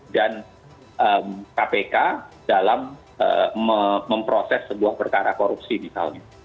dan kpk dalam memproses sebuah perkara korupsi misalnya